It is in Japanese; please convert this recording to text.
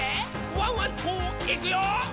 ワンワンといくよ」